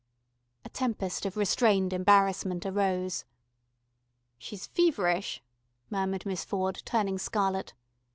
A tempest of restrained embarrassment arose. "She's feverish," murmured Miss Ford, turning scarlet.